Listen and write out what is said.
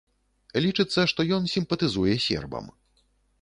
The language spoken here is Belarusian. Лічыцца, што ён сімпатызуе сербам.